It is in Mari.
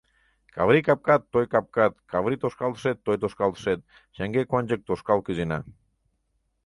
Каври капкат — той капкат, Каври тошкалтышет — той тошкалтышет, Шеҥгек-ончык тошкал кӱзена.